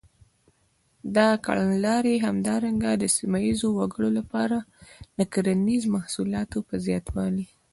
دا کړنلارې همدارنګه د سیمه ییزو وګړو لپاره د کرنیزو محصولاتو په زباتوالي.